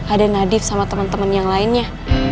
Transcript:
ada nadif sama temen temen yang lainnya